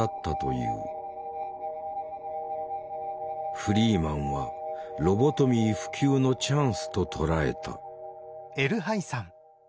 フリーマンはロボトミー普及のチャンスと捉えた。